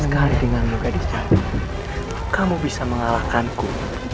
sekali denganmu gadis kamu bisa mengalahkanku